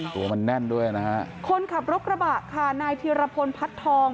ตัวมันแน่นด้วยนะฮะคนขับรถกระบะค่ะนายธีรพลพัดทอง